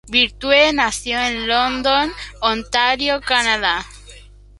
Virtue nació en London, Ontario, Canadá.